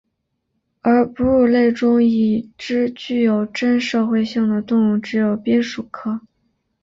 而哺乳类中已知具有真社会性的动物只有滨鼠科。